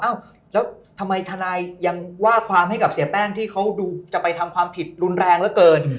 แล้วทำไมทนายยังว่าความให้กับเสียแป้งที่เขาดูจะไปทำความผิดรุนแรงเหลือเกิน